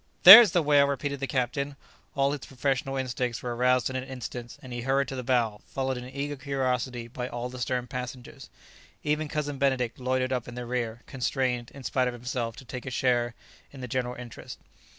"There's the whale!" repeated the captain. All his professional instincts were aroused in an instant, and he hurried to the bow, followed in eager curiosity by all the stern passengers. Even Cousin Benedict loitered up in the rear, constrained, in spite of himself, to take a share in the general interest.